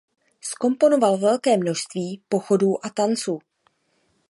Zkomponoval velké množství pochodů a tanců.